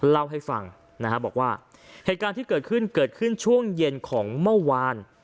เล่าให้ฟังนะฮะบอกว่าเหตุการณ์ที่เกิดขึ้นเกิดขึ้นช่วงเย็นของเมื่อวาน